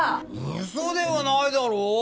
嘘ではないだろ。